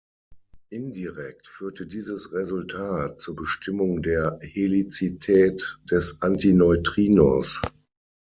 Indirekt führte dieses Resultat zur Bestimmung der Helizität des Antineutrinos.